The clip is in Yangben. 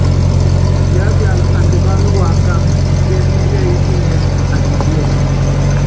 Yiápian andimáná uákáandú, kisiɛ́nɛ́ kíɛ́yi kínyiɛ́ atipiɛ́.